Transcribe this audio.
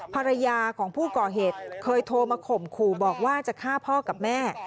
ภรรยาของผู้ก่อเหตุเคยโทรมาข่มขู่บอกว่าจะฆ่าพ่อกับแม่